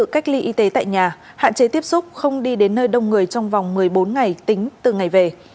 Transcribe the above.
cách ly y tế tại nhà hạn chế tiếp xúc không đi đến nơi đông người trong vòng một mươi bốn ngày tính từ ngày về